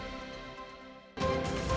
untuk membangun komunikasi tersebut